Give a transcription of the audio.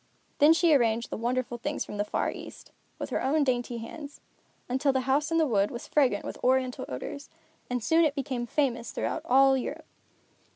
Then she arranged the wonderful things from the Far East, with her own dainty hands, until the House in the Wood was fragrant with Oriental odors, and soon it became famous throughout all Europe.